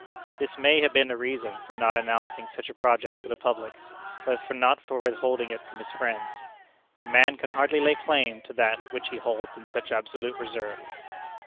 This may have been a reason for not announcing such a project to the public, but not for withholding it from his friends. A man can hardly lay claim to that which he holds in such absolute reserve.